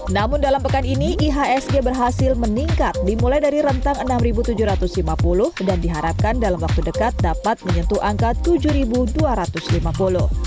namun dalam pekan ini ihsg berhasil meningkat dimulai dari rentang rp enam tujuh ratus lima puluh dan diharapkan dalam waktu dekat dapat menyentuh angka rp tujuh dua ratus lima puluh